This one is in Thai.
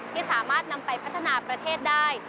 ที่สามารถนำไปพัฒนาประเทศได้